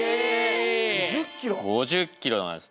５０ｋｍなんです。